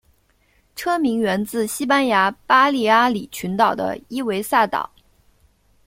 车名源自西班牙巴利阿里群岛的伊维萨岛。